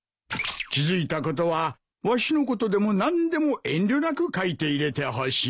気付いたことはわしのことでも何でも遠慮なく書いて入れてほしい。